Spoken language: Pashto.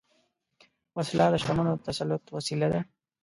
وسله د شتمنو د تسلط وسیله ده